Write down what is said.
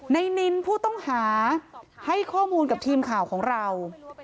นินผู้ต้องหาให้ข้อมูลกับทีมข่าวของเรา